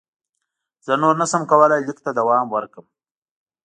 زه نور نه شم کولای لیک ته دوام ورکړم.